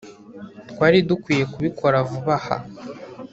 twari dukwiye kubikora vuba aha